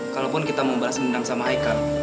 kalaupun kita mau balas gendang sama aikal